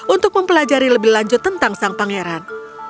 untuk mempelajari lebih lanjut tentang sang pangeran